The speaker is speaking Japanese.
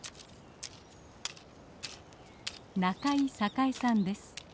仲井榮さんです。